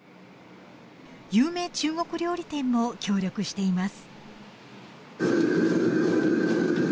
有名中国料理店も協力しています